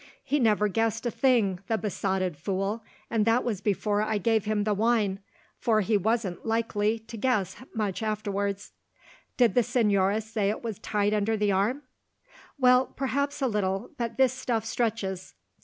He never guessed a thing, the besotted fool, and that was before I gave him the wine, for he wasn't likely to guess much afterwards. Did the señora say it was tight under the arm? Well, perhaps a little, but this stuff stretches.